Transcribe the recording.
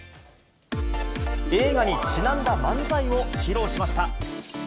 映画にちなんだ漫才を披露しました。